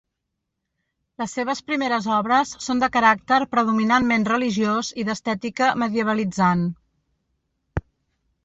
Les seves primeres obres són de caràcter predominantment religiós i d'estètica medievalitzant.